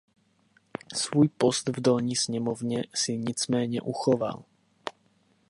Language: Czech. Svůj post v dolní sněmovně si nicméně uchoval.